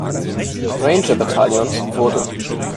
Ranger Bataillons wurde.